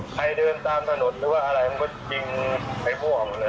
ใครเดินตามถนนก็ยิงภัยบวก